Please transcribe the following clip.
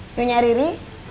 nungu nyari riri